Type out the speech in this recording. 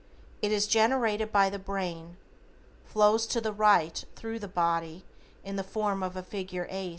It is generated by the brain, flows to the right thru the body in form of a figure 8.